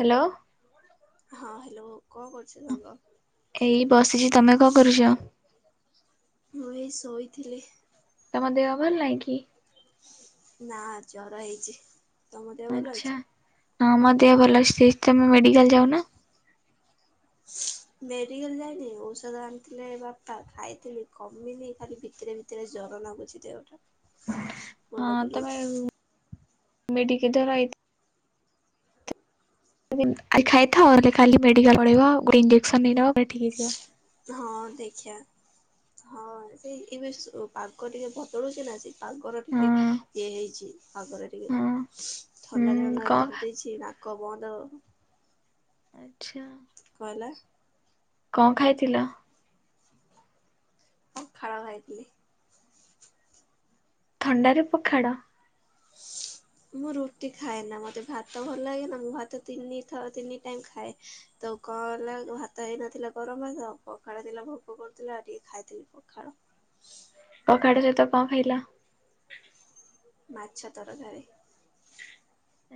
Hello. ହଁ hello କଣ କରୁଛ ସାଙ୍ଗ? ଏଇ ବସିଛି ତମେ କଣ କରୁଛ? ମୁଁ ଏ ଶୋଇଥିଲି। ତମ ଦେହ ଭଲ ନାଇଁ କି? ନାଁ ଜ୍ୱର ହେଇଛି। ତମ ଦେହନ ଭଲ ଆଚ୍ଛା ଅଛି? ହଁ ମୋ ଦେହ ଭଲ ଅଛିତମେ ମେଡିକାଲ ଯାଉନ। ମେଡ଼ିକାଲ ଯାଇନି ଔଷଧ ଆଣିଥିଲେ ବାପା ଖାଇଥିଲି କମିନି ଖାଲି ଭିତରେ ଭିତରେ ଜ୍ଵର ଲାଗୁଛି ଦେହଟା। ମୁଣ୍ଡ ବୁଲଉଛି। ମେଠ କିଧର ଆଇ [unintelligible] ଖାଇଥାଅ କାଲି ମେଡ଼ିକାଲ ପଳେଇବ ଗୋଟେ ଇଞ୍ଜକ୍ସନ୍ ନେଇଯିବ। ହଁ ଦେଖ। ଆଚ୍ଛା ହଁ ସେଇ ଏବେ ପାଗ ଟିକେ ବଦଳୁଛି ନା ସେ ତାଙ୍କର ଟିକେ ହଁ ଇଏ ହେଇଛି। ଆପରେ ଟିକେ ହଁ ଥଣ୍ଡା ହୁଁ କଣ ଧରି ଦେଇଛି ନା। କ ବନ୍ଦ ଆଚ୍ଛା। କଲ [unintelligible] କଣ ଖାଇଥିଲ? ପଖାଳ ଖାଇଥିଲି। ଥଣ୍ଡାରେ ପଖାଳ ମୁଁ ରୁଟି ଖାଏ ନା ମତେ ଭାତ ଭଲ ଲାଗେ ନା ମୁଁ ଭାତ ତିନିଥର ତିନି ଟାଇମ ଖାଏ ତ କଣ ହେଲା ଭାତ ହେଇନଥିଲା ଗରମ ତ ପଖାଳ ଥିଲା ଭୋକ କରୁଥିଲା ଆଉ ଟିକେ ଖାଇଥିଲି ପଖାଳ। ପଖାଳ ସହିତ କଣ ଖାଇଲ? ମାଛ ତରକାରୀ।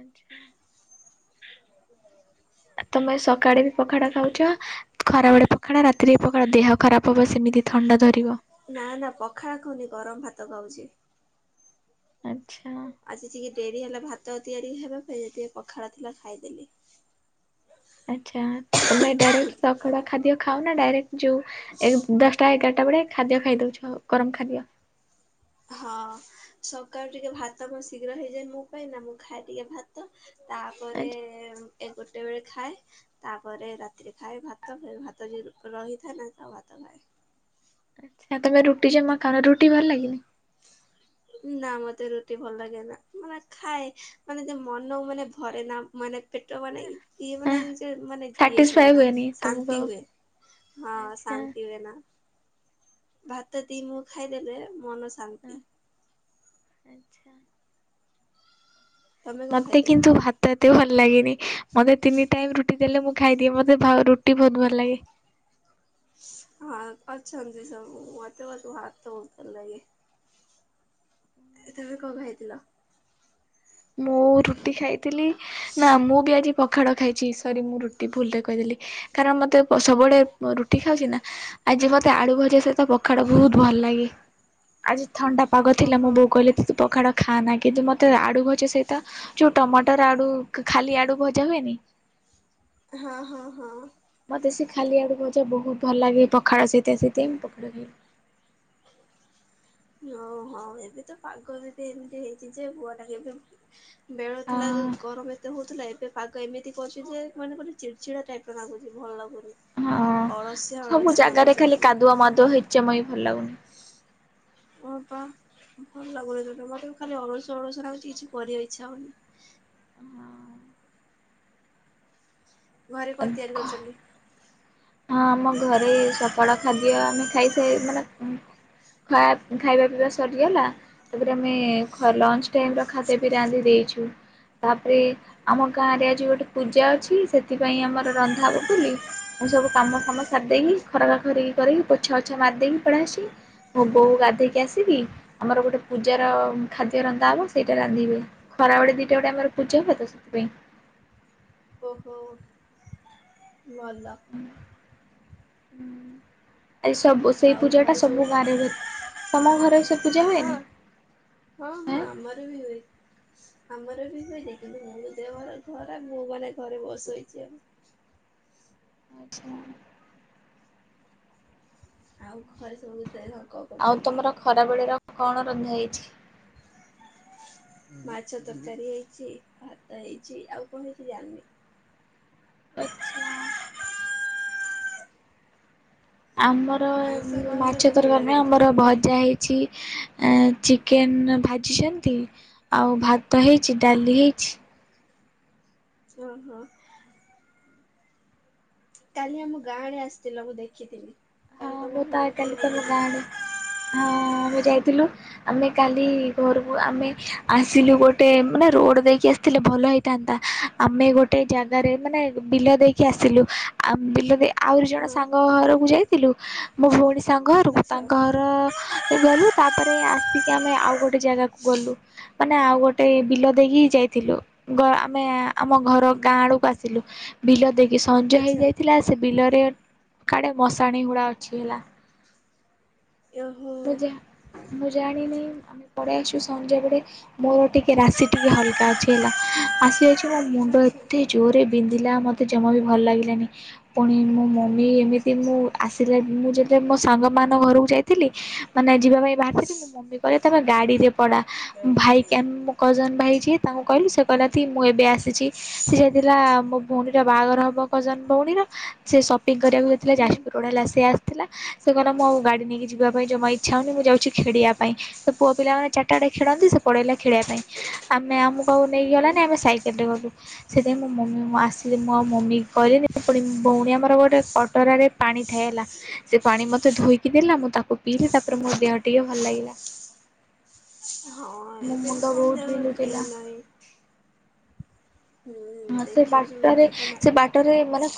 ଆଚ୍ଛା। ତମେ ସକାଳେ ବି ପଖାଳ ଖାଉଛ ଖରା ବେଳେ ପଖାଳ ରାତିରେ ବି ପଖାଳ ଦେହ ଖରାପ ହବ। ସେମିତି ଥଣ୍ଡା ଧରିବ। ନା ନା ପଖାଳ ଖାଉନି ଗରମ ଭାତ ଖାଉଛି। ଆଚ୍ଛା। ଆଜି ଟିକେ ଡେରି ହେଲା ଭାତ ତିଆରି ହେବ ପାଇଁ ଯେ ପଖାଳ ଥିଲା ଖାଇଦେଲି। ଆଚ୍ଛା ତମେ ଡାଇରେକ୍ଟ [unintelligible] ଖାଦ୍ୟ ଖାଅ ନା ଡାଇରେକ୍ଟ ଯୋଉ ଏ ଦଶଟା ଏଗାରଟା ବେଳେ ଖାଦ୍ୟ ଖାଇଦଉଛ ଗରମ୍ ଖାଦ୍ୟ। ହଁ ସକାଳୁ ଟିକେ ଭାତ ମ ଶୀଘ୍ର ହେଇଯାଏ ମୋ ପାଇଁ ନା ମୁଁ ଖାଇଦିଏ ଭାତ। ତାପରେ ଆଚ୍ଛା ଏଗାର ରଟା ବେଳେ ଖାଏ ତାପରେ ରାତିରେ ଖାଏ ଭାତ ଫେର୍ ଭାତ ଯଉ ରହିଥାଏ ନା ତ ଭାତ ଖାଏ। ଆଛା ତମେ ରୁଟି ଜମା ଖାଉନ, ରୁଟି ଭଲ ଲାଗେନି? ନା ମୋତେ ରୁଟି ଭଲ ଲାଗେ ନା ମାନେ ଖାଏ ମାନେ ଯେ ମନକୁ ମାନେ ଭରେ ନା ମାନେ ପେଟ ମାନେ ଇଏ ମାନେ ଆଁ [unintelligible] ମାନେ ଇଏ ହୁଏ ସାଟିସ୍ଫାଏ ନା ହୁଏନି ତମକୁ ଶାନ୍ତି ଆଉ ହୁଏ। ହଁ ଆଚ୍ଛା ଶାନ୍ତି ହୁଏ ନା। ଭାତ ଏତିକି ମୁଁ ଆଚ୍ଛା ଖାଇଦେଲେ ମନ ଶାନ୍ତି। ଆଚ୍ଛା। ତମେ କଣ ମତେ ଖାଇଥିଲ? କିନ୍ତୁ ଭାତ ଏତେ ଭଲ୍ ଲାଗେନି। ମତେ ତିନି ଟାଇମ୍ ରୁଟି ଦେଲେ ମୁଁ ଖାଇଦିଏ। ମତେ ଭାଉ ରୁଟି ବହୁତ ଭଲ ଲାଗେ। ଶ୍ ହଁ ଅଛନ୍ତି ସବୁ ମୋତେ ବହୁତ୍ ଭାତ ବହୁତ୍ ଭଲ୍ ଲାଗେ। ଏ ତମେ କଣ ଖାଇଥିଲ? ମୁଁ ରୁଟି ଖାଇ ଥିଲି। ନା ମୁଁ ବି ଆଜି ପଖାଳ ଖାଇଚି। ସରି ମୁଁ ରୁଟି ଭୁଲରେ କହିଦେଲି କାରଣ ମତେ ସବୁବେଳେ ରୁଟି ଖାଉଚି ନା ଆଜି ମତେ ଆଳୁ ଭଜା ସହିତ ପଖାଳ ବହୁତ ଭଲ ଲାଗେ ଆଜି ଥଣ୍ଡା ପାଗ ଥିଲା। ମୋ ଓହୋ ବୋଉ କହିଲା ତୁ ତ ପଖାଳ ଖାନା କିନ୍ତୁ ମତେ ଆଡୁ ଭଜ୍ ଜା ସହିତ ଯୋଉ ଟମାଟର ଆଡୁ ଖାଲି ଆଡୁ ଭଜା ହୁଏନି? ହଁ ହଁ ହଁ। ମତେ ସେ ଖାଲି ଆଡୁ ଭଜା ବହୁତ ଭଲ ଲାଗେ। ପଖାଳ ସହିତ ସେଇଥିପାଇଁ ମୁଁ ପଖାଳ ଖାଇଲି। ହ ହଉ ଏବେ ତ ପାଗ ଏମତି ଏମିତି ହେଇଛି ଯେ [unintelligible] ବେଳ ଥିଲା ଯେ ହଁ ଗରମ ଏତେ ହଉଥିଲା ଏବ୍ ବେ ପାଗ ଏମିତି କରିଚି ଯେ ମାନେ ଗୋଟେ ଚିଡଚିଡା ଟାଇପ୍ ର ନାଗୁଛି ଭଲ ଲାଗୁନି। ହଁ। ଅଳସୁଆ ସବୁ ଅଳସୁଆ ଜାଗାରେ ଲାଗୁଛି ଖାଲି କାଦୁଅ ମାଦୁଅ ହେଇଚି ଜମା ବି ଭଲ୍ ଲାଗୁନି। ହଁ ପା ଭଲ୍ ଲାଗୁନି ସେଥିପାଇଁ ମତେ ବି ଖାଲି ଅଳସୁଆ ଅଳସୁଆ ଲାଗୁଚି କିଛି କରିବାକୁ ଇଚ୍ଛା ହଉନି। ଘରେ କଣ ତିଆରି କରିଚନ୍ତି? ହଁ ଆମ ଘରେ ସକାଳ ଖାଦ୍ୟ ଆମେ ଖାଇସାଇ ମାନେ ଖା ଖାଇବା ପିଇବା ସରିଗଲା ତାପରେ ଆମେ ଖ ଲଞ୍ଚ ଟାଇମ ର ଖାଦ୍ୟ ବି ରାନ୍ଧି ଦେଇଛୁ। ତାପରେ ଆମ ଗାଁରେ ଆଜି ଗୋଟେ ପୂଜା ଅଛି। ସେଥିପାଇଁ ଆମର ରନ୍ଧା ହବ ବୋଲି ମୁଁ ସବୁ କାମ ଫାମ ସାର ଦେଇଁକି ଖରକା ଖରିକି କରିକି ପୋଛା ଓଛା ମାରିଦେଇକି ପଳିଆସଛି। ମୋ ବୋଉ ଗାଧେଇକି ଆସିକି ଆମର ଗୋଟେ ପୂଜାର ଖାଦ୍ୟ ରନ୍ଧା ହବ ସେଇଟା ରାନ୍ଧିବେ। ଖରାବେଳେେ ଦିଇଟାରେ ଗୋଟେ ଆମର ପୂଜା ହବ ତ ସେଥିପାଇଁ। ଓହୋ ଭଲ। ଉମ୍ ଆଜି ସବୁ ସ ଏ ଆଉ ପୂଜା ଟା ଘରେ ସବୁ ଗାଁ ରେ ହୁଏ ତମ ଘରେ ସବ୍ ହଁ ହଁ ହଁ ଆମର ବି ହୁଏ। ଆମର ବି ହୁଏ ଯେ କିନ୍ତୁ ମୋ ଦେହ ଖରାପ୍ ଖରାପ୍ ମୁ ମାନେ ଘରେ ବ ଶୋଇଛି ଆଉ। ଆଚ୍ଛା। ଆଉ ଘରେ ସବୁ ଅଛି? ଆଉ ତମର ଖରା ବେଳିର? କଣ ରନ୍ଧା ହେଇଛି? ମାଛ ତରକାରୀ ହେଇଚି। ଭାତ ହେଇଚି। ଆଉ କଣ ହେଇଚି ଜାଣିନି। ଆଚ୍ଛା। ଆମର ଆଇଁଷ ନହେଲେ ମାଛ ତ ଭଲ ତରକାରୀ ନାହିଁ। ଲାଗେନି ଆମର ଖାଇବା ପାଇଁ ଭଜା ହେଇଛି। ଚିକେନ୍ ଭାଜିଛନ୍ତି ଆଉ ଭାତ ହେଇଚି ଡାଲି ହେଇଚି। ଓ ହୋ। କାଲି ଆମ ଗାଁ ଆଡେ ଆସିଥିଲ ମୁଁ ଦେଖିଥିଲି। ହଁ କାଲି ତମ ମୁଁ ତ ଭଉଣୀ ଆ ସାଙ୍ଗେ କାଲି ତମ ବୁଲୁଥିଲ ଗାଁ ଡେ ହଁ। ମୁ ଯାଇଥିଲୁ ଆମେ କାଲି ଘରକୁ ଆମେ ଆସିଲୁ ଗୋଟେ ମାନେ ରୋଡ଼ ଦେଇକି ଆସିଥିଲେ ଭଲ ହେଇଥାନ୍ତା। ଆମେ ଗୋଟେ ଜାଗାରେ ମାନେ ବିଲ ଦେଇକି ଆସିଲୁ ଆ ବିଲ ଦେଇ ଆହୁରି ଜଣ ହଁ ସାଙ୍ଗ ଘରକୁ ଯାଇ ଥିଲୁ ମୋ ଭଉଣୀ ସାଙ୍ଗ ହରୁ ଆଚ୍ଛା ତାଙ୍କ ଘର ଗଲୁ ତାପରେ ଆସିକି ଆମେ ଆଉ ଗୋଟେ ଜାଗାକୁ ଗଲୁ ମାନେ ଆଉ ଗୋଟେ ବିଲ ଦେଇକି ଯାଇଥିଲୁ ଘ ଆମେ ଆମ ଘର ଗାଁ ଆଡକୁ ଆସିଲୁ ବିଲ ଦେଇ କି ସଞ୍ଜ ଆଚ୍ଛା ହେଇଯାଇଥିଲା ସେ ବିଲରେ କାଡେ ମସ୍ ଶାଣି ଗୁଡ଼ା ଅଛି ହେଲା। ଓ ହୋ। ମୁଁ ଯା ମୁଁ ଜାଣିନି ଆମେ ପଳେଇଆସଛୁ ସଞ୍ଜବେଳେ ମୋର ଟିକେ ରାଶି ଟିକେ ହଲକା ଅଛି ହେଲା ଆସିଯାଇଛି ମୋ ମୁଣ୍ଡ ଆଚ୍ଛା ଏତେ ଜୋରରେ ବିନ୍ଧିଲା ମତେ ଜମା ବି ଭଲ ଲାଗିଲାନି ପୁଣି ମୋ ମମି ଏମିତି ମୁଁ ଆସିଲା ମୁଁ ଯେବେ ମୋ ସାଙ୍ଗ ମାନ ଘରକୁ ଯାଇଥିଲି। ମାନେ ଯିବା ପାଇଁ ବାହାରିଥିଲି ମୋ ମମି କହିଲେ ତମେ ଗାଡିରେ ପଳା ଭାଇ କା ମୋ କଜନ ଭାଇ ଯିଏ ତାଙ୍କୁ କହିଲି ସେ କହିଲା ମୁଁ ଏବେ ଆସିଚି ସେ ଯାଇଥିଲା ମୋ ଭଉଣୀର ବାହାଘର ହବ କଜନ ଭଉଣୀର ସେ ସପିଙ୍ଗ କରିବାକୁ ଯାଇଥିଲା ହୁଁ ଯାଜପୁର ରୋଡ ହେଲା ସେ ଆସିଥିଲା ସେ କହିଲା ମୁଁ ଆଉ ଗାଡି ନେଇକି ଯିବା ପାଇଁ ଜମା ଇଚ୍ଛା ହଉନି ମୁଁ ଯାଉଛି ଖେଡିବା ପାଇଁ ସେ ପୁଅ ପିଲାଗୁଡ଼ା ଚାରିଟାଡେ ଖେଳନ୍ତି ସେ ପଳେଇଲା ଖେଳିବା ପାଇଁ ଆମେ ଆମକୁ ଆଉ ନେଇକି ଓହୋ ଗଲାନି ଆମେ ସାଇକେଲରେେ ଗଲୁ ସେଥିପାଇଁ ମୁଁ ମମି ମୋ ଆସିଲି ମୁଁ ଆଉ ମମି କଇଲିନି ପୁଣି ଭଉଣୀ ଆମର ଗୋଟେ କଟରାରେ ପାଣି ଥାଏ ହେଲା ସେ ପାଣି ମୋତେ ଧୋଇକି ଦେଲା ମୁଁ ତାକୁ ପିଇଲି ତାପରେ ମୋ ଦେହ ଟିକେ ଭଲ ଲାଗିଲା। ହଁ ମୋ ଏବେ ମୁଣ୍ଡ ସନ୍ଧ୍ୟା ବହୁତ ଏ ବିନ୍ଧୁଥିଲା। ନାଇଁ ହୁଁ ହଁ ସେ ଦେଖି ଶୁଣିକି ବାଟରେ ଯିବ ନା ସେ ବାଟରେ ମାନେ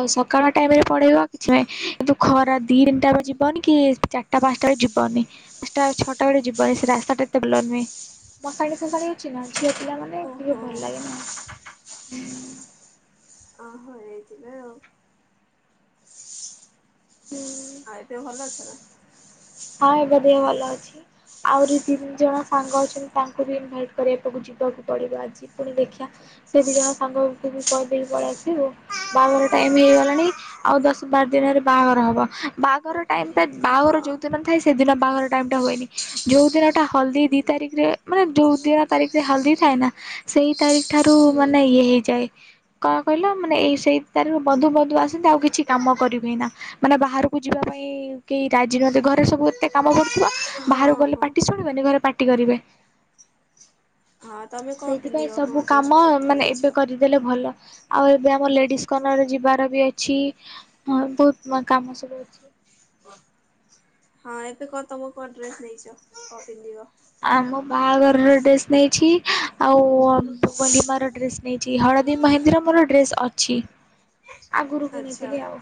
ଆଉ ସକାଳ ଟାଇମ ରେ ପଳେଇବ ଆଉ କିଛି ନାଇଁ କିନ୍ତୁ ଖରା ଦି ତିନିଟା ବଳେ ଯିବନି କି ଚାରିଟା ପାଞ୍ଚଟା ବେଳେ ଯିବନି ପାଞ୍ଚଟା ଛଅଟା ବେଳେ ଯିବନି ସେ ରାସ୍ତାଟା ଏତେ ଭଲ ନୁହେଁ ମଶାଣି ଫଶାଣି ଅଛି ନା ଝିଅ ପିଲା ମାନେ କେବେ ଓହୋ ଭଲ ଲାଗେନି ଆଉ। ଓହୋ ଏଇଥିପାଇଁ ଆଉ ହୁଁ। ଆଉ ଏତେ ଭଲ ଅଛ ନା? ହଁ ଏବେ ଦେହେ ଭଲ ଅଛି ଆହୁରି ତିନି ଜଣ ସାଙ୍ଗ ଅଛନ୍ତି। ତାଙ୍କୁ ବି ଇନଭାଇଟ କରିବାକୁ ଯିବାକୁ ପଡିବ ଆଜି ପୁଣି ଦେଖିଆ ସେ ଦି ଜଣ ସାଙ୍ଗକୁ ବି କହିଦେଇକି ପଳେଇ ଆସିବୁ ବାହାଘର ଟାଇମ ହେଇଗଲାଣି ଆଉ ଦଶ ବାର ଦିନରେ ବାହାଘର ହବ ବାହାଘର ଟାଇମ ଟା ହଁ ବାହାଘର ଯୋଉ ଦିନ ଥାଏ ସେଦିନ ବାଘର ଟାଇମ୍ ଟା ହୁଏନି ଯଉ ଦିନଟା ହଳଦୀ ଦି ତାରିଖରେ ମାନେ ଯଉ ଦିନ ତାରିଖରେ ହଳଦୀ ଥାଏ ନା ସେଇ ତାରିକ୍ ଠାରୁ ହୁଁ ମାନେ ଇଏ ହେଇଯାଏ। କଣ କହିଲ ମାନେ ଏଇ ସେଇ ତାରିଖ ରୁ ବଦୁ ବଦୁ ଆସନ୍ତି ଆଉ କିଛି କାମ କରିହୁଏନା ମାନେ ବାହାରକୁ ଯିବା ପାଇଁ କେହି ରାଜିନୁହନ୍ତି ଘ ରେ ସବୁ କେତେ କାମ ପଡୁଥୁବ ବାହାରକୁ ହଁ ଗଲେ ହଁ ପାଟି ଶୁଣିବେନି ଘରେ ପାଟି କରିବେ। ହଁ ତମେ କଣ ସେଇଥିପାଇଁ ପିନ୍ଧିବ କଣ ସବୁ ଡ୍ରେସ୍ କାମ ପତ୍ର ମାନେ ନେଇଛ? ଏବେ କରିଦେଲେ ଭଲ। ଆଉ ଏବେ ଆମର ଲେଡିସ୍ କରନର ଯିବାର ବି ଅଛି ବହୁତ କାମ ସବୁ ଅଛି। ହଁ ଏବେ କ ତମ କଣ ଡ୍ରେସ ନେଇଛ କ ପିନ୍ଧିବ? ଆମ ବାହାଘରର ଡ୍ରେସ୍ ନେଇଛି। ଆଉ ବଲିମା ର ଡ୍ରେସ୍ ନେଇଚି ହଳଦୀ ମହେନ୍ଦିର ମୋର ଡ୍ରେସ୍ ଅଛି। ଆଗରୁ ଆଚ୍ଛା କିଣିଥିଲି ଆଉ।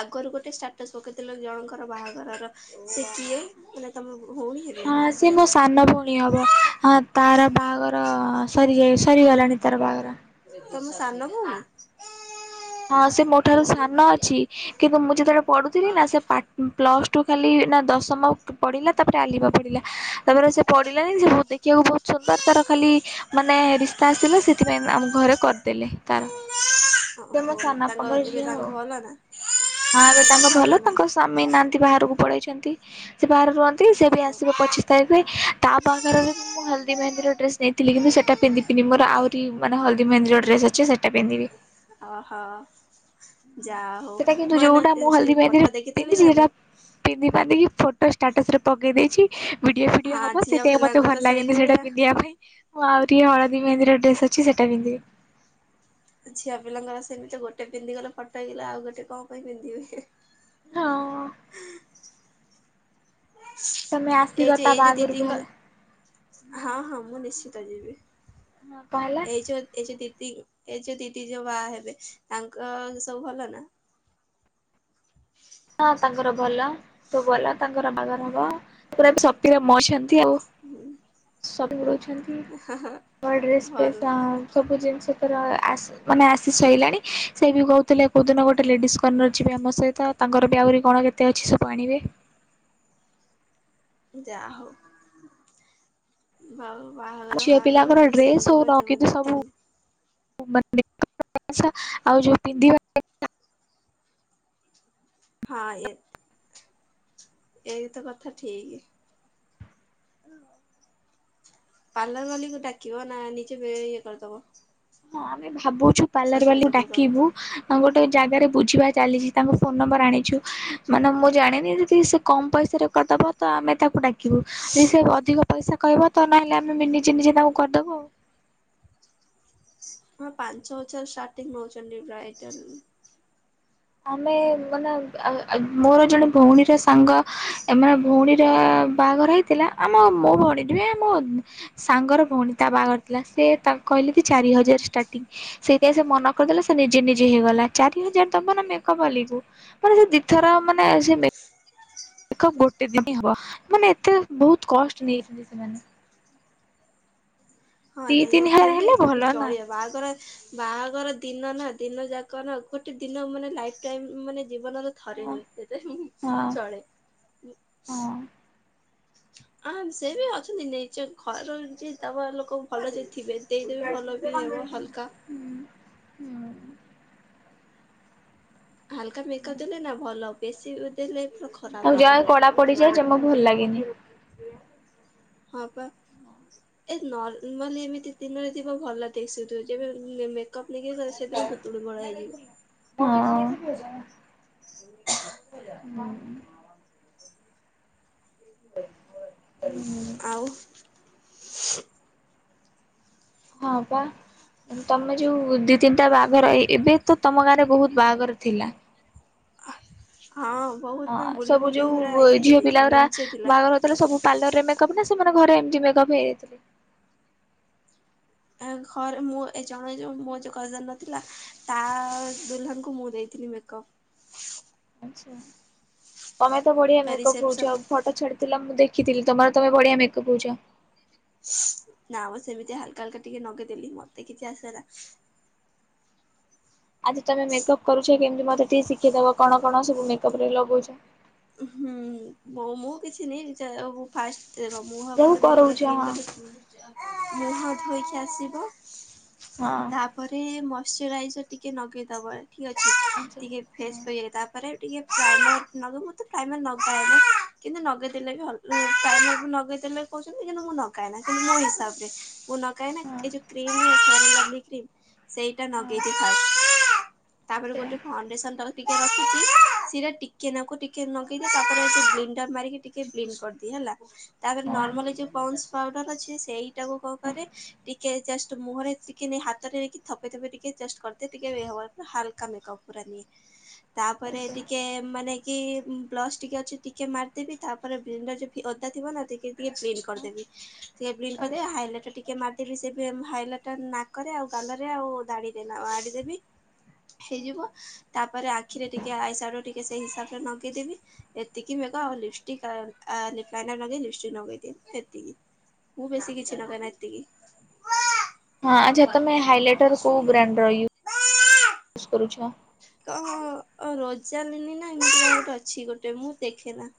ଆଗରୁ ଗୋଟେ ଷ୍ଟାଟସ୍ ପକେଇଥିଲ ଜଣଙ୍କର ବାହାଘରର ସେ କିଏ ମାନେ ତମ ଭଉଣୀ ହେବେ ନା ହଁ ସି କିଏ? ମୋ ସାନ ଭଉଣୀ ହବ ହଁ। ତାର ବାହାଘର ସରିଯାଇ ସରିଗଲାଣି ତାର ବାହାଘର ତମ ସାନ ଭଉନ ହଁ ସେ ମୋ ଠାରୁ ସାନ ଅଛି କିନ୍ତୁ ମୁଁ ଯେତେବେଳେ ପଢୁଥିଲି ନା ସେ ପା ପ୍ଲସ ଠୁ ଖାଲି ନା ଦଶମ ପଢିଲା ତାପରେ ଆଲିବା ପଢିଲା ତାପରେ ସେ ପଢିଲାନି ସେ ଦେଖିବାକୁ ବହୁତ ସୁନ୍ଦର ତାର ଖାଲି ମାନେ ରିସ୍ତା ଆସିଲା ସେଥିପାଇଁ ଆମ ଘରେ କରିଦେଲେ ତାର ସେ ମୋ ଓହୋ ସାନ ତାଙ୍କ ବାପାଙ୍କର ଏବେ ଝିଅ ହଉ ତାଙ୍କ ଭଲ ନା ହଁ ଏବେ ତାଙ୍କ ଭଲ ତାଙ୍କ ସ୍ୱାମୀ ନାହାନ୍ତି ବାହାରକୁ ପଳେଇଛନ୍ତି ସେ ବାହାରେ ରୁହନ୍ତି। ସେ ବି ଓହୋ। ଆସିବ ପଚିଶ ତାରିଖରେ ତା ବାହାଘରେ ବି ମୁଁ ହଳଦୀ ମହେନ୍ଦୀର ଡ୍ରେସ ନେଇଥିଲ କିନ୍ତୁ ସେଇଟା ପିନ୍ଧିବିନି ମୋର ଆହୁରି ମାନ ହଳଦୀ ମହେନ୍ଦୀର ଡ୍ରେସ ଅଛି ସେଟା ପିନ୍ଧିବି ଅହୋ। ସେଟା କିନ୍ତୁ ଯୋଉଟା ମୁଁ ହଳଦୀ ମରେ ଫଟୋ ଦେଖିଥିଲି ପିନ୍ଧିଛି ନା ସେଟା ମୋ ପିନ୍ଧିନ୍ଧି ଫୋ ଷ୍ଟାଟସ ରେ ପକେଇ ଦେଇଛି। ଭିଡିଓ ଫିଡି ହଁ ହବ ଝିଅ ସେଥିପାଇଁ ମତେ ପିଲାଙ୍କର ଭଲ ତ ଲାଗେନି ସେଇଟା ସେଇଭଳିଆ। ପିନ୍ଧିବା ପାଇଁ ମୁଁ ଆହୁରି ହଳଦୀ ମେହେନ୍ଦୀର ଡ୍ରେସ୍ ଅଛି ସେଇଟା ପିନ୍ଧିବି ଆଉ ଝିଅ ପିଲାଙ୍କର ସେମିତି ଗୋଟେ ପିନ୍ଧି ଗଲେ ଫଟେଇଗଲା ଆଉ ଗୋଟେ କଣ ପାଇଁ ପିନ୍ଧିବେ ହଁ। ତମେ ଏଇ ଆସିବ ଯୋଉ ତା ଏଇ ଯୋଉ ବାହାଘରକୁ ଦିଦିଙ୍କ ହେଲା। ହଁ ହଁ ମୁଁ ଦେଶି ତ ଯିବି କଣ ହେଲା? ଏଇ ଯୋ ଏ ଯୋ ଏ ଯୋଉ ଦିଦି ଯୋଉ ବାହା ହେବେ ତାଙ୍କ ସବୁ ଭଲ ନା। ହଁ ତାଙ୍କର ଭଲ ସବୁ ଭଲ ତାଙ୍କର ବାଘର ହବ ପୁରା ଏ ସତ ରମ ଅଛନ୍ତି ଆଉ। ହୁଁ। ସବୁ [unintelligible] ନୂଆଁ ଡ୍ରେସ ଭଲ ଫ୍ରେସ ସବୁ ଜିନିଷ ମାନେ ଆସି ସଇିଲାଣି ସେ ବି କହୁଥିଲେ କେଉଁଦିନ ଗୋଟେ ଲେଡିସ୍ କର୍ଣ୍ଣର ଯିବେ ଆମ ସହିତ ତାଙ୍କର ବି ଆହୁରି କଣ କେତେ ଅଛି ସବୁ ଆଣିବେ ଯା ହଉ ଆଉ। ବାହାଘର ଝିଅ ବାହାଘର ପିଲାଙ୍କର ସେ ଡ୍ରେସ ହଉ ସରିଯିବ ନ ଯେମ କିନ୍ତୁ ଦି ସବୁ ତିନି [unintelligible] [unintelligible] ଆଉ ଯୋଉ ପିନ୍ଧିବା ହଁ ଏ। ଏଇତ କଥା ଠିକ। [inaudible] ପାର୍ଲର ବାଲିକୁ ଡାକିବ ନା ନିଜେ ଇଏ କରିଦବ। ହଁ ଭାବୁୁ ପାଲାର ସଜବାଜ ବାଲି କରିଦବ ଡାକିବୁ ଆ ଗୋ ଗୋ ଜାଗାରେ ବୁଝିବା ଚାଲିଛି ତାଙ୍କ ଫୋନ ନମ୍ବର ଆଣିଛୁ ମାନେ ମୁଁ ଜାଣିନି ଯଦି ସେ କମ୍ ପଇସାରେ କରିଦେବ ତ ଆମେ ତାକୁ ଡାକି [unintelligible] ସେ ଅଧିକ ପଇସା କହିବ ତ ନହେଲେ ଆମେ ମିନିଜିନିଜେ ତାଙ୍କୁ କରିଦବୁ ଆଉ। ହଁ ପାଞ୍ଚ ହଜାର ଷ୍ଟାର୍ଟିଂ ନଉଛନ୍ତି ବ୍ରାଇଟଲ ଆମେ ମାନେ ମୋର ଜଣେ ଭଉଣୀର ସାଙ୍ଗ ମାନେ ଭଉଣୀର ବାହାଘର ହେଇଥିଲା ଆମ ମୋ ଭଉଣୀ ନେ ଆମେ ମାନେ ସାଙ୍ଗର ଭଉଣୀ ତା ବାହାଘର ଥିଲା ସେ ତା କହିଲେ ଦ ଚାରି ହଜାର ଷ୍ଟାର୍ଟିଂ ସେଇଥିାଇଁ ସେ ମନ କରିଦେଲା ସେ ନିଜେ ନିଜେ ହେଇଗଲା ଚାରି ହଜାର। ତ ମେକପ୍ ବାଲିକୁ ମାନେ ସେ ଦିଇଥର ମାନେ ସେ ମେକପ ଗୋଟେ ଦିନ ହବ ମାନେ ଏତେ ବହୁତ କଷ୍ଟ ନେଇଛନ୍ତି ସେମାନେ। ହଁ ଦି ନେଇଯା ତିନି ଫ ହଜାର ହେଲେ ଭଲ ବି ନା ଚଢ ହବ ବାହାଘର [unintelligible] ବାହାଘର ଦିନ ନା ଦିନ ଯାକ ନା ଗୋଟେ ଦିନ ମାନେ ଲାଇଫ ଟାଇମ୍ ମାନେ ଜୀବନ ତ ଥରେ ହଁ ହୁଏ ସେତ ହଁ ଚଳେ [unintelligible] ହଁ। ଆ ସେ ବି ଅଛନ୍ତି ନିଜ ଘରୁ ଯେ ତାପ ଲୋକ ଭଲ ଯେ ଥିବେ ଦେଇଦ ବି ଭଲ ବି ହେବ ହାଲକା। ହାଲକା ମେିକପ ଦେଲେ ନା ଭଲ ବେଶୀ ଦେଲେ ପୁରା ଆଉ ଖରାପ ଯାହା ହେଇଯିବ। କଡା ପଡିଯାଏ ଜମା [unintelligible] ହଁ ପା ଏ ନର୍ମାଲି ଏମିତି ଦିନରେ ଯିବ ଭଲ ଦିଶୁ ତୁ ଯେବେ ସେ। [unintelligible] [unintelligible] ହୁଁ। [inaudible] ଆଉ ହଁ ପା ତମେ ଯୋଉ ଦି ତିନିଟା ବାହାଘର ଏଇ ଏବେ ତ ତମ ଗାଁ ରେ ବହୁତ ବାହାଘର ଥିଲା। ହଁ ବହୁତ ହଁ ପୁରା ବୁଲି ସବୁ ବୁଲିକି ଯୋଉ ପୁରା ଇଏ ଝିଅ ହେଇଯାଇଛି ପିଲା ଉରା ମେଞ୍ଚେ ଥିଲା। ବାହାଘର ହେଉଥିଲା ସବୁ ପାର୍ଲରରେ ମେ କବ ନା ସେମାନେ ଘରେ ଏମତି ମେକପ ହେଇ ଘରେ ମୁଁ ଏ ଜଣେ ଯୋ ମୋ ଯୋଉ କଜନଥିଲା ତା ଦୁଲନଙ୍କୁ ମୁଁ ଦେଇଥିଲି ମେକଅପ୍ ଆଚ୍ଛା। ତମେ ତ ବଢିଆ ମେଅପ ହହୁଛ ରିସେପସନ୍ ଆଉ ଫଟୋ ଛାଡିଥିଲ ମୁଁ ଦେଖି ଖିଥିଲ ତମର ତମେ ବଢିଆ ମେକଅପ ହ‌ଉଛ‌। ନା ସେମିତି ହାଲକା ହଲକା ଟିକେ ନଗେଇଦେଲି ମତେ କିଛି ଆସେନା। ଆଜି ତମେକଅପ କରୁଛ। କେମତି ମତେ ଟିକେ ଶିଖିଇଦବ କଣ କଣ ସବୁ ମେକଅପ ରେ ଲଗଉଛ। ହୁଁ ମୁଁ କିଛି ନ ଫା [unintelligible] ଦେଖ ମୁଁ ଭାବୁ ଯୋଉ ଥିଲି ଏଗୁଡା ପୁରା କରଉଛ କ୍ଲିନ୍ ହଁ କରିଥିବ। ମୁହଁ ଧୋଇକି ଆସିବ। ହଁ ତାପରେ ମ ମସ୍ଚୁରାଇଜର ଟିକେ ନଗେଇଦବ। ଠିକ୍ ଅଛି। ଆଚ୍ଛା ଟିକେ ହଁ ଫ୍ରେସ୍ ହେଯାଏ ତାପରେ ଟିକେ ପାର୍କ ନବ ମତେ। ମୁଁ ତ ପ୍ରାଇମର ନଗାଏନା। କିନ୍ତୁ ନଗେଇଦେଲେ ବି ଭଲ ପ୍ରାଇମର୍ ମୁଁ ନଗେଇଦେଲେ କହୁଛନ୍ତି କିନ୍ତୁ ମୁଁ ନଗାଏନା। କିନ୍ତୁ ମୋ ହିସାବରେ ମୁଁ ନଗା କାଇଁନା ହଁ ଏ ଯୋଉ କ୍ରିମ ଏଥେରେ ବିକ୍ରିମ୍। ସେଇଟା ହଁ ନଗେଇଛି ଫାଷ୍ଟ। ତାପରେ ଆଚ୍ଛା। ଗୋଟେ ଫାଉଣ୍ଡେସନ ତାର ଟିକେ ରଖିଛି ସିରା ଟିକେ ନାକୁ ଟିକ ଲଗେଇଦିଏ ତାପରେ ସିଏ ବ୍ଲିଣ୍ଡର ମାରିକି ଟିକେ ବ୍ଲିନ୍ କରିଦିଏ ହେଲା। ତାପରେ ନର୍ମାଲ ହଁ ଯୋଉ ପଣ୍ଡସ୍ ପାଉଡର ଅଛି, ସେଇଟାକୁ କଣ କରେ, ଟିକେ ଜଷ୍ଟ ମୁହଁରେ ଟିକେ ନେଇ ହାତରେ ନେଇ ଥପେଇ ଥପେଇ ଟିକେ ଜଷ୍ଟ କରିଦିଏ ଟିକେ ଅ ଏ ହାଲକା ମେକପ ପୁରା ନିଏ। ତାପରେ ଟିକେ ମାନେ କି ବ୍ଲସ୍ ଟିକେ ଅଛି ଟିକେ ମାରିଦେବି ତାପରେ ବ୍ଲେଣ୍ଡ ଟା [unintelligible] ଓଦା ଥିବ ନା ଟିକେ ଟିକେ ବ୍ଲିନ୍ କରିଦେବି। ଟିକେ ବ୍ଲିନ ଆଚ୍ଛା କରିଦେବି ହାଇଲାଇଟ ଟିକେ ଟିକେ ମାରିଦେବି ସେ ବି ହାଇଲଟ ନାକରେ ଆଉ ଗାଲରେ ଆଉ ଦାଡିରେ ଆଉ ଆଡି ଦେବି। ହେଇଯିବ ତା ପରେ ଆଖିରେ ଟିକେ ଆଇ ସାଇଡୁ ଟିକେ ସେଇ ହିସାବ [unintelligible] ଲଗେଇଦେବି ଏତିକି ମୁଁ ଏକା ଆଉ ଲିପଷ୍ଟିକ୍ ଆ-ଆ ଲିପନାଇରର ଲିପଷ୍ଟିକ୍ ଲଗାଇଦିଏ ଇତିକି ମୁଁ ବେଶୀ କିଛି ଲଗାଏନା ଏତିକି। ହଁ ଆଚ୍ଛା ତମେ ହାଇଲାଇଟର କୋଉ ବ୍ରାଣ୍ଡର ଇଉଜ୍ କରୁଛ? କ ଅଁ ଅ ରୋଜଲିନୀ ନା ଏମିତି କଣ ଗୋଟେ ଅଛି ଗୋଟେ ମୁଁ ଦେଖେନା।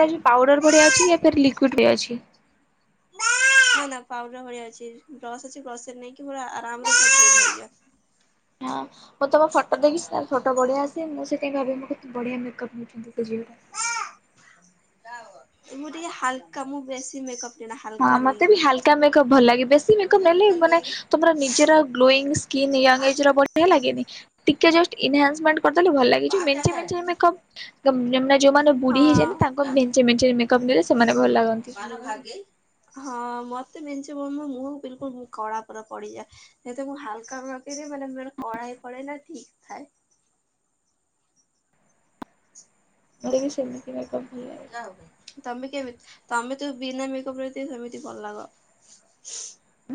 ଏଟା ଯୋଉ ପାଉଡର ଭଢିଆ ଅଛି। ଏୟା ଫିର୍ ଲିକୁଇଡ ରେ ଅଛି। ନା ନା ପାଉଡର ଭଳିଆ ଅଛି। ବ୍ରସ୍ ଅଛି ବସରେ ନେଇକି ପୁରା ଆରାମ୍ ରେ [inaudible] ହଁ ମୁଁ ତମ ଫଟୋ ଦେଖି [unintelligible] ଫଟୋ ବଢିଆ ଆସେ। ମୁଁ ସେ ଭାବି ମୁଁ କେତେ ବଢିଆ ମକ୍ଅପ୍ ନେଉବାକୁ ଯିବି। ମୁଁ ଟିକେ ହାଲ୍କା ମୁଁ ବେଶୀ ମେକପ୍ ହଁ ମତେ ବି ହାଲ୍କା ମେକଅପ୍ ଭଲ ଲାଗେ। ବେଶୀ ମେକପ୍ ନେଲେ ମାନେ ତମର ନିଜର ଗ୍ଲୋଇଂ ସ୍କିନ୍ ୟଙ୍ଗ ଏଜ୍ ର ବଢିଆ ଲାଗେନି। ଟିକେ ଜଷ୍ଟ ଇନ୍ହାସ୍ମେଣ୍ଟ କରିଦେଲେ ଭଲ ଲାଗିଚି। ଏ ଯୋଉ ମେଞ୍ଚେ ମେଞ୍ଚେ ମେକ୍ଅପ୍ [unintelligible] ଯୋଉମାନେ ବୁଢୀ ହେଇଯାଆନ୍ତି ତାଙ୍କୁ ହଁ। ମେଞ୍ଚେ ମେଞ୍ଚ ମେକଅପ୍ ନଲେ ସେମାନେ ଭଲ ଲାଗନ୍ତି। ହଁ ମତେ ମେଞ୍ଚେ ମୋ ମୋ ମୁହଁ ବିଲକୁଲ କଳା ପୁରା ପଡିଯାଏ। ଯେତେ ମୁଁ ହାଲ୍କା ବାକେ ମାନେ ମୁଁ କଳା ବି ପଡେ ନା ଠିକ୍ ଥାଏ। ଘରେ ବି ସେମିତି ମେକ୍ଅପ୍ ହୁଏ। ତମେ କେବେ ତମେ ତ ବିନା ମେକ୍ଅପ୍ ସେମତି ଭଲ ଲାଗ।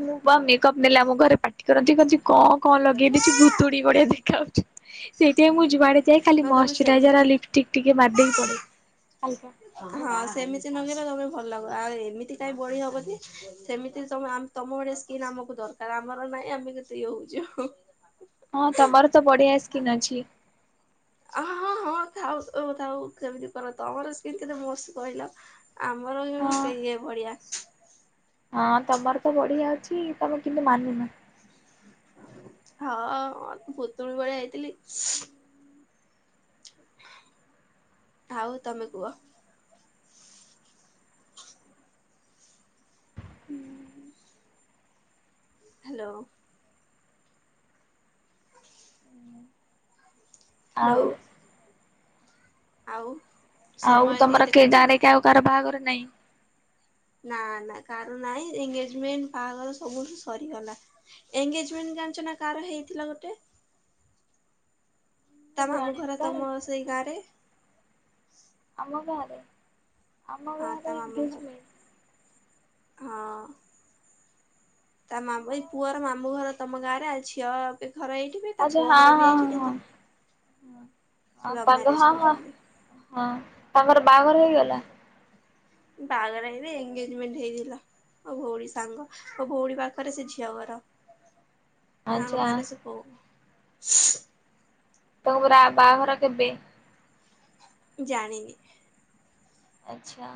ମୁଁ ବା ମେ ମେକ୍ଅପ୍ ନେଲେ ଆମ ଘରେ ପାଟି ତର ଟିକ୍ ଅଚି। କଁ କଁ ଲଗେଇ ଦେଇଛି ଭୁତୁଡ଼ି ଭଳିଆ ଦେଖାଉ [inaudible] ସେଇଟ ଯେ ମୁଁ ଯୁଆଡେ ଯାଏ ଖାଲି ନା ତମେ ସେମିତି ମଅଶ୍ଚୁରାଇଜର ଲିପଷ୍ଟିକ୍ ଟିକେ ମାର୍ଦେଇ [unintelligible] ହଁ, ସେମିତି ନଗେଇଲେ ତମେ ଭଲ ଲାଗ। ଆଉ ଏମିତି କାଇଁ ବୋଳି ହବ କି? ସେମିତି ତମ-ଆମ୍-ତମ ଭଳିଆ ସ୍କିନ୍ ଆମକୁ ଦରକାର। ଆମର ନାଇଁ ଆମେ କେତେ ଇଏ ହଉଚୁ ହୁଁ ହୁଁ। ହଁ, ତମର୍ ତ ବଢିଆ ସ୍କିନ୍ ଅଛି। ଆ ହଁ ହଁ ଥାଉ ଉ ଥାଉ ସେମିତି କର ତମର ସ୍କିନ କେତେ ମସ୍ତ କହିଲ। ଆମର ଯଉନୁ ସେଇଏ ଭଳିଆ। ଅଁ ତମର ତ ବଢିଆ ଅଛି-ଇ ତମେ କିନ୍ତୁ ମାନୁନ। ହଁ ଅ ମ ଭୁତୁଣି ଭଳିଆ ହେଇଥିଲି। [inaudible] ହାଉ ତମେ କୁଅ। ହାଲୋ ଓ। ହ୍ଲୋ। ଆଉ ଆଉ ଆଉ ସମୟ ଟିକେ ତମର କିଏ ଦେଖୁଛ ନା? ଗାଁରେ କ୍ୟାଉ କାର ବାଆଘର ନେଇଁ ନା ନା କାର ନାଇଁ ଏଙ୍ଗେଜମେଣ୍ଟ ବାଆଘର ସବୁଠି ସରିଗଲା। ଏଙ୍ଗେଜମେଣ୍ଟ ଜାଣିଛ ନା କାର ହେଇଥିଲା ଗୋଟେ। ମୁଁ ତା ମାମୁ ଜାଣିନି ଘର କାହାର ତମ ସେଇ ଗାରେ? ଆମ ଘରେ। ଆମ ହଁ ଗାଁରେ ଏଙ୍ଗେଜମେଣ୍ଟ। ହଁ-ଅ। ତା ଆମ ମାମ୍-ଭାଇ ଗାଁରେ ପୁଅର ମାମୁ ଘର-ତ୍ ତମ ଗାଁରେ ଆଛ୍ୟ-ଅ-ଅପିସ୍ ଘର ଏଇଠି ବି ତା ଆଚ୍ଛା ପୁଅ ହଁ ଘର ବି ହଁ ଏଇଠି, ହଁ ହଁ। ହଁ କିନ୍ତୁ ଲଭ୍ ତାଙ୍କ ମ୍ୟାରେଜ ହଁ ହଁ କରୁଛନ୍ତି। ହଁ ତାଙ୍କର ବାଆଘର ହେଇଗଲା? ବାଆଘର ହେଇନି ଏଙ୍ଗେଜମେଣ୍ଟ ହେଇଥିଲା। ମୋ ଭୋଉଣୀ ସାଙ୍ଗ, ମୋ ଭୋଉଣୀ ପାଖରେ ସେ ଝିଅ ଘର। ଆମ ଆଚ୍ଛା [unintelligible] [inaudible] [unintelligible] ବାହାଘର କେବେ? ଜାଣିନି। ଆଛା ଆ।